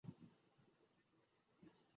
亚运会亚锦赛